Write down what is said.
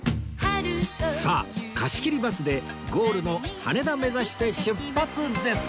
さあ貸し切りバスでゴールの羽田目指して出発です！